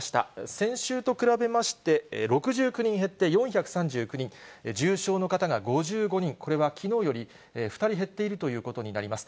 先週と比べまして、６９人減って、４３９人、重症の方が５５人、これはきのうより２人減っているということになります。